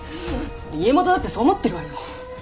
家元だってそう思ってるわよ。